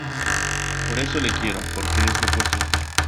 por eso le quiero, porque es lo opuesto a ti.